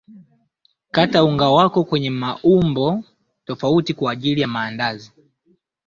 kata unga wako kwenye maumbo tofauti kwa aijli ya maandazi